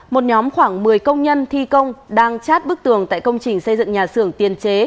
một nhóm khoảng một mươi công nhân thi công đang chát bức tường tại công trình xây dựng nhà xưởng tiền chế